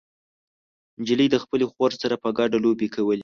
نجلۍ د خپلې خور سره په ګډه لوبې کولې.